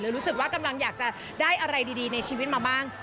รู้สึกว่ากำลังอยากจะได้อะไรดีในชีวิตมาบ้าง